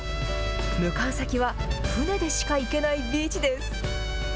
向かう先は船でしか行けないビーチです。